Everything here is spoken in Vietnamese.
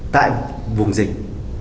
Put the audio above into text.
tại vùng dịch